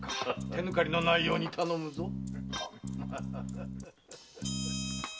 手抜かりのないように頼むぞ。